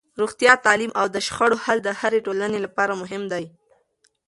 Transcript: روغتیا، تعلیم او د شخړو حل د هرې ټولنې لپاره مهم دي.